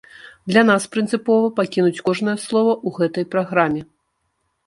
Для нас прынцыпова пакінуць кожнае слова ў гэтай праграме.